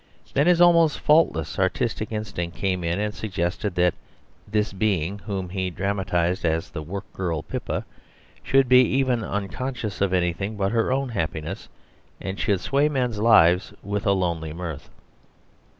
Then his almost faultless artistic instinct came in and suggested that this being, whom he dramatised as the work girl, Pippa, should be even unconscious of anything but her own happiness, and should sway men's lives with a lonely mirth.